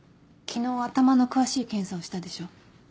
昨日頭の詳しい検査をしたでしょ？